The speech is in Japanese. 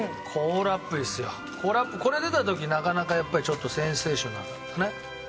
コーラアップこれ出た時なかなかやっぱりちょっとセンセーショナルだったね。